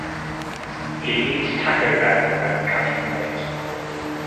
He eats Taco Bell when cutting weight.